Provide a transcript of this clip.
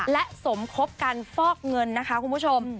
และสมคบกันฟอกเงินนะคะคุณผู้ชม